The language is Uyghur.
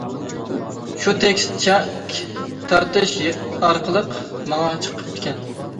شۇ تېكىست چەك تارتىش ئارقىلىق ماڭا چىقىپتىكەن.